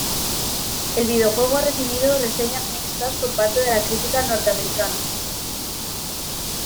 El videojuego ha recibido reseñas mixtas por parte de la crítica norteamericana.